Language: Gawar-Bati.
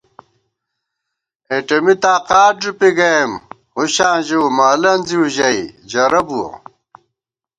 اېٹېمی تاقات ݫُپی گَئیم ہُشاں ژِؤ مہ الَنزِؤ ژَئی جرہ بُوَہ